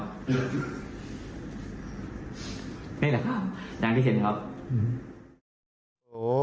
นี่แหละครับอย่างที่เห็นครับอืม